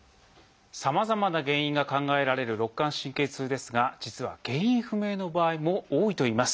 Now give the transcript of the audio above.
さまざまな原因が考えられる肋間神経痛ですが実は原因不明の場合も多いといいます。